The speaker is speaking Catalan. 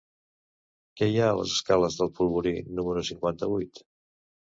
Què hi ha a les escales del Polvorí número cinquanta-vuit?